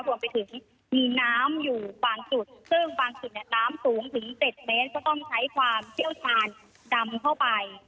รวมไปถึงมีน้ำอยู่บางจุดซึ่งบางจุดเนี่ยน้ำสูงถึง๗เมตรก็ต้องใช้ความเชี่ยวชาญดำเข้าไป